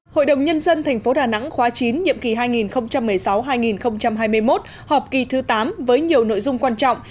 hội đồng nhân dân tp đà nẵng khóa chín nhiệm kỳ hai nghìn một mươi sáu hai nghìn hai mươi một họp kỳ thứ tám với nhiều nội dung quan trọng